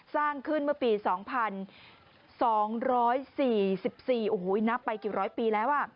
สร้างขึ้นเมื่อปี๒๒๔๔โอ้โหนับไปกี่ร้อยปีแล้ว